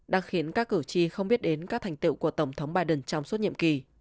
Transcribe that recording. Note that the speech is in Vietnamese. đã khiến các cử tri không biết đến các thành tiệu của tổng thống biden trong suốt nhiệm kỳ